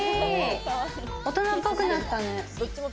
大人っぽくなったね。